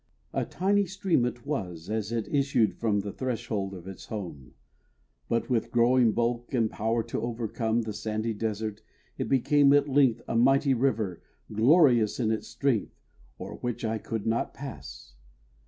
A tiny stream it was As it issued from the threshold of its home; But with growing bulk and power to overcome The sandy desert, it became at length, A mighty river, glorious in its strength, O'er which I could not pass.